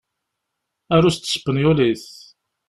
Aru s tespenyulit.